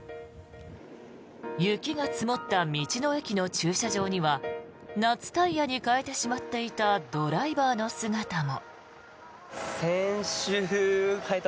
雪が積もった道の駅の駐車場には夏タイヤに替えてしまっていたドライバーの姿も。